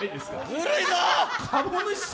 ずるいぞ！